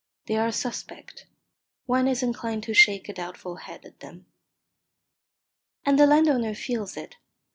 They are suspect. One is inclined to shake a doubtful head at them. And the landowner feels it.